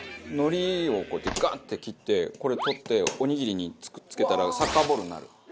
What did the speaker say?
海苔をこうやってガッて切ってこれ取っておにぎりにくっつけたらサッカーボールになる。